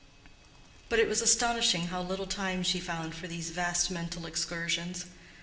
But it was astonishing how little time she found for these vast mental excursions.